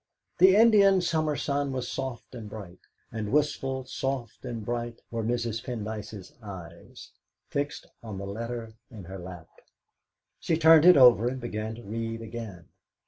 The Indian summer sun was soft and bright; and wistful, soft, and bright were Mrs. Pendyce's eyes, fixed on the letter in her lap. She turned it over and began to read again.